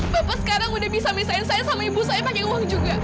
bapak sekarang udah bisa misahin saya sama ibu saya pakai uang juga